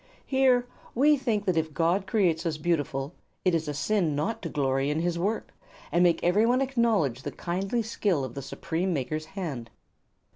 Here we think that if God creates us beautiful it is a sin not to glory in His work, and make everyone acknowledge the kindly skill of the Supreme Maker's hand.